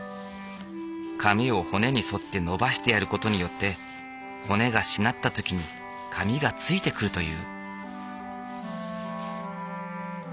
紙を骨に沿って伸ばしてやる事によって骨がしなった時に紙がついてくるという。